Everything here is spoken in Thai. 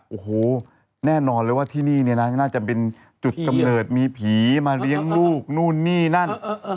โอ้โหแน่นอนเลยว่าที่นี่เนี่ยนะน่าจะเป็นจุดกำเนิดมีผีมาเลี้ยงลูกนู่นนี่นั่น